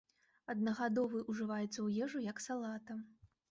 Аднагадовы ўжываецца ў ежу як салата.